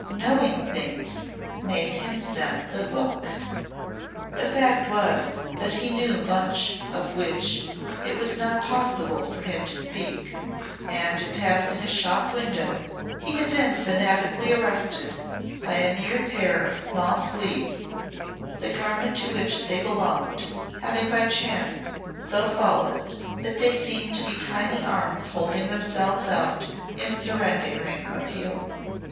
Knowing things made him send the book." The fact was that he knew much of which it was not possible for him to speak, and in passing a shop window he had been fantastically arrested by a mere pair of small sleeves the garment to which they belonged having by chance so fallen that they seemed to be tiny arms holding themselves out in surrendering appeal.